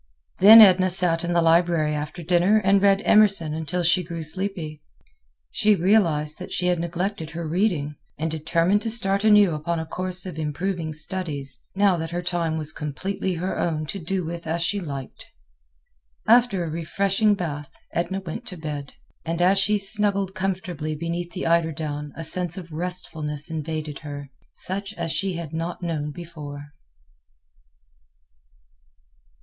Then Edna sat in the library after dinner and read Emerson until she grew sleepy. She realized that she had neglected her reading, and determined to start anew upon a course of improving studies, now that her time was completely her own to do with as she liked. After a refreshing bath, Edna went to bed. And as she snuggled comfortably beneath the eiderdown a sense of restfulness invaded her, such as she had not known before.